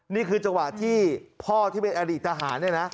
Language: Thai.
นี่คือจังหวะที่พ่อที่เป็นอดีตทหาร